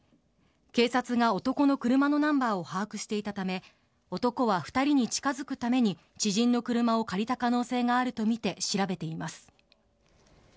警察が男の車のナンバーを把握していたため男は２人に近づくために知人の車を借りた可能性があるとみて調べています。